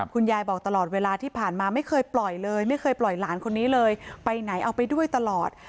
คุณยายบอกตลอดเวลาที่ผ่านมาไม่เคยปล่อยเลยไม่เคยปล่อยหลานคนนี้เลยไปไหนเอาไปด้วยตลอด